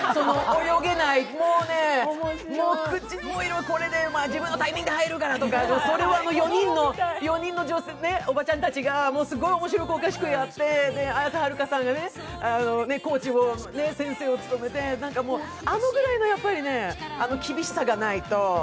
泳げない、もうね、自分のタイミングで入るから！とか、それを４人のおばちゃんたちがすごい面白おかしくやって、綾瀬はるかさんがコーチ、先生を務めて、あのぐらいの厳しさがないと。